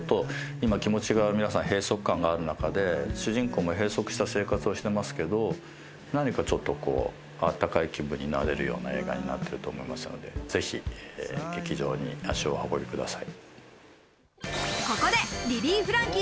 今、気持ちに閉塞感ある中で主人公も閉塞した生活をしてますけど、何かちょっとこう、あったかい気分になれるような映画になってると思いますのでぜひ劇場に足をお運びください。